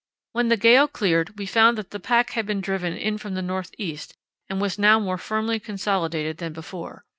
When the gale cleared we found that the pack had been driven in from the north east and was now more firmly consolidated than before.